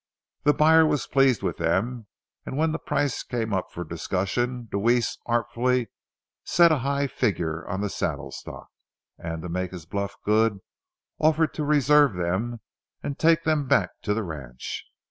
The buyer was pleased with them, and when the price came up for discussion Deweese artfully set a high figure on the saddle stock, and, to make his bluff good, offered to reserve them and take them back to the ranch.